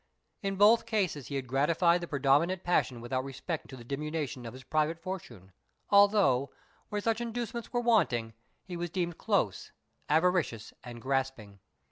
In both cases, he had gratified the predominant passion without respect to the diminution of his private fortune, although, where such inducements were wanting, he was deemed close, avaricious, and grasping.